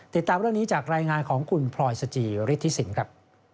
ติดตามเรื่องนี้จากรายงานของคุณพลอยสจิฤทธิสินครับ